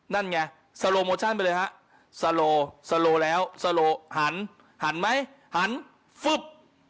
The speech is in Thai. นั่นไงสโลโมชั่นไปเลยฮะสโลสโลแล้วสโลหันหันไหมหันฟึบ